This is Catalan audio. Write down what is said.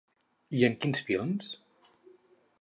I en quins films?